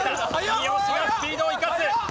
三好がスピードを生かす！